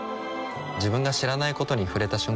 自分が知らないことに触れた瞬間